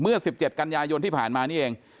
เมื่อ๑๗กันยายนที่ผ่านมานี่เอง